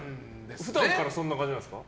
普段からそんな感じなんですか？